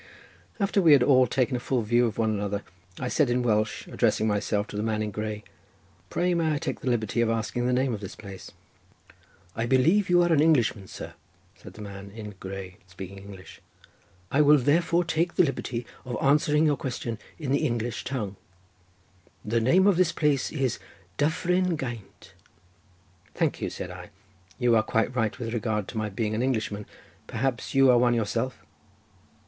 After we had all taken a full view of one another I said in Welsh, addressing myself to the man in grey, "Pray may I take the liberty of asking the name of this place?" "I believe you are an Englishman, sir," said the man in grey, speaking English, "I will therefore take the liberty of answering your question in the English tongue. The name of this place is Dyffryn Gaint." "Thank you," said I; "you are quite right with regard to my being an Englishman; perhaps you are one yourself?"